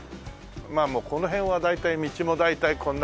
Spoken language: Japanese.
まあもうこの辺は大体道もこんな感じでね。